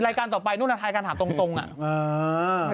รายการต่อไปนู่นน่ะไทยการถามตรงอ่ะ